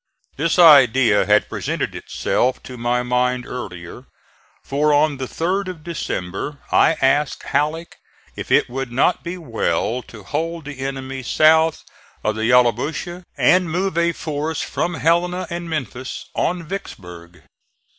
This idea had presented itself to my mind earlier, for on the 3d of December I asked Halleck if it would not be well to hold the enemy south of the Yallabusha and move a force from Helena and Memphis on Vicksburg.